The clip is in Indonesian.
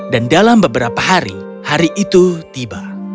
dan dalam beberapa hari hari itu tiba